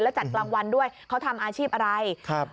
แล้วจัดรางวัลด้วยเขาทำอาชีพอะไร